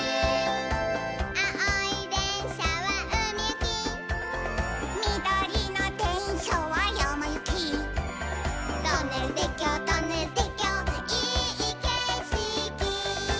「あおいでんしゃはうみゆき」「みどりのでんしゃはやまゆき」「トンネルてっきょうトンネルてっきょういいけしき」